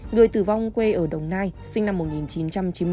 người tử vong quê ở đồng nai sinh năm một nghìn chín trăm chín mươi bốn